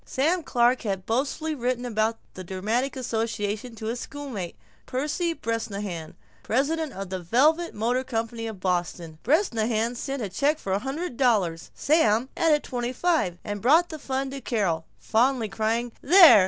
Sam Clark had boastfully written about the dramatic association to his schoolmate, Percy Bresnahan, president of the Velvet Motor Company of Boston. Bresnahan sent a check for a hundred dollars; Sam added twenty five and brought the fund to Carol, fondly crying, "There!